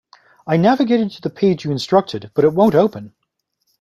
I navigated to the page you instructed, but it won't open.